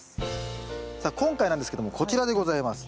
さあ今回なんですけどもこちらでございます。